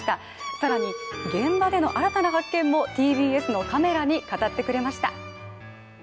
更に現場での新たな発見もＴＢＳのカメラに語ってくれました。